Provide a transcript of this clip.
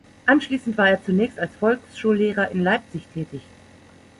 Anschließend war er zunächst als Volksschullehrer in Leipzig tätig.